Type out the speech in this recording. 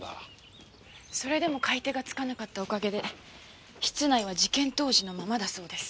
それでも買い手がつかなかったおかげで室内は事件当時のままだそうです。